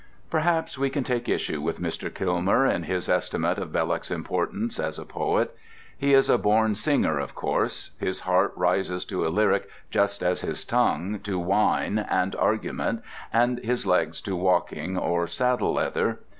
Perhaps we can take issue with Mr. Kilmer in his estimate of Belloc's importance as a poet. He is a born singer, of course; his heart rises to a lyric just as his tongue to wine and argument and his legs to walking or saddle leather.